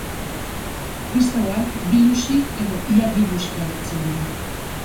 Kristauak biluzik edo ia biluzik agertzen dira.